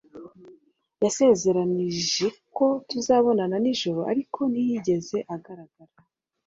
Yasezeranije ko tuzabonana nijoro ariko ntiyigeze agaragara